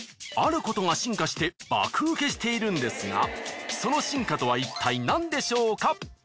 あることが進化して爆ウケしているんですがその進化とはいったい何でしょうか？